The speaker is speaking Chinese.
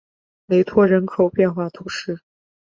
雷托人口变化图示